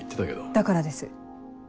だからです。